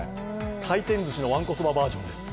回転ずしのわんこそばバージョンです。